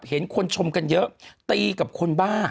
เห็นคนชมกันเยอะตีกับคนบ้า